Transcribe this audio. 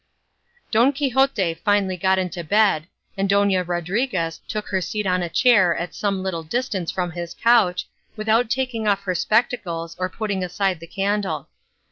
Don Quixote finally got into bed, and Dona Rodriguez took her seat on a chair at some little distance from his couch, without taking off her spectacles or putting aside the candle.